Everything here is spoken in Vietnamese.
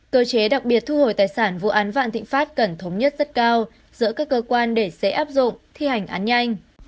cơ chế đặc biệt thu hồi tài sản vụ án vạn thịnh pháp cần thống nhất rất cao giữa các cơ quan để dễ áp dụng thi hành án nhanh